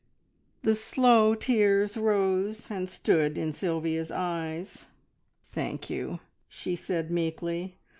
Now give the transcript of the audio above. The slow tears rose and stood in Sylvia's eyes. "Thank you!" she said meekly.